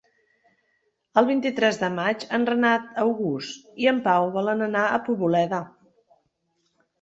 El vint-i-tres de maig en Renat August i en Pau volen anar a Poboleda.